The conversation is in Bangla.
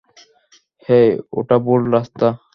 হেই, ওটা ভুল রাস্তা!